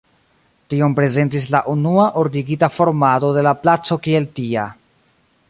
Tion prezentis la unua ordigita formado de la placo kiel tia.